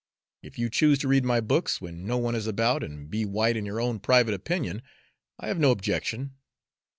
If you choose to read my books when no one is about and be white in your own private opinion, I have no objection.